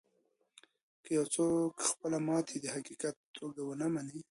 که يو څوک خپله ماتې د حقيقت په توګه و نه مني.